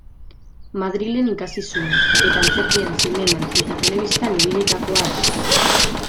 Madrilen ikasi zuen eta antzerkian, zineman eta telebistan ibilitakoa da.